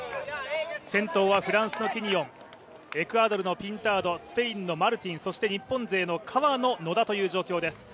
先頭はフランスのキニオンエクアドルのピンタードスペインのマルティン、そして日本勢の川野、野田という状況です。